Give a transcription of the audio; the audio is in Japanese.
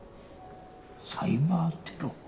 サイバーテロ？